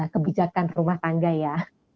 kebijakan rumah tangga ya